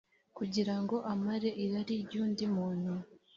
kugira ngo amare irari ry undi muntu